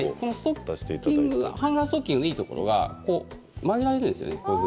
ハンガーストッキングのいいところは曲がるんです。